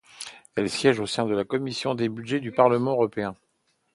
Elle siège au sein de la Commission des Budgets du Parlement européen.